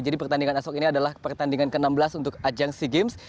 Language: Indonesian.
jadi pertandingan esok ini adalah pertandingan ke enam belas untuk ajang sea games